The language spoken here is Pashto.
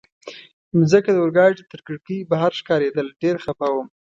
مځکه د اورګاډي تر کړکۍ بهر ښکارېدل، ډېر خفه وم.